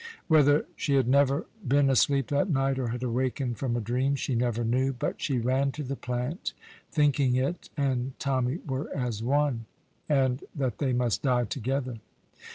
Whether she had never been asleep that night, or had awakened from a dream, she never knew, but she ran to the plant, thinking it and Tommy were as one, and that they must die together.